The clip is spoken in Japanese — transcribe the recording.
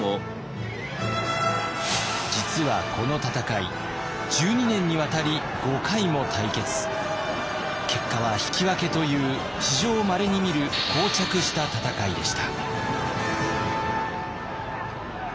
実はこの戦い結果は引き分けという史上まれに見る膠着した戦いでした。